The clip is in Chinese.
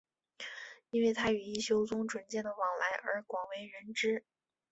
因为他与一休宗纯间的往来而广为人知。